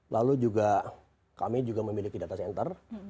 lalu juga kami juga memiliki data center